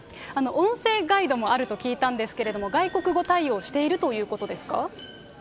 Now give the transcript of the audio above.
音声ガイドもあると聞いたんですけれども、外国語対応をしているということですか？